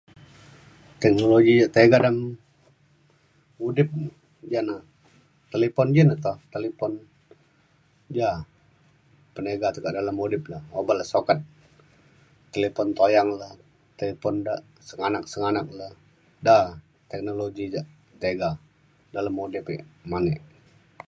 Teknologi ja tega dalam udip jane talipun ji ne to. Talipun ja penega tekak dalam pengudip le oban le sokat talipun toyang le talipun da senganak senganak le da teknologi ja tega dalam udip ek manek